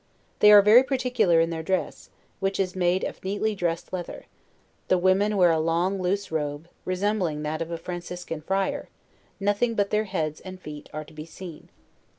They are very particular in their dress, which is made of neatly dressed leather; the women wear a long loose robe, resembling that of a Franciscan friar, nothing but their heads and feet are to be seen.